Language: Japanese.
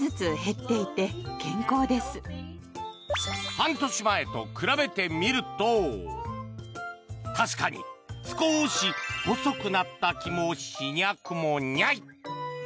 半年前と比べてみると確かに少し細くなった気もしなくもニャい。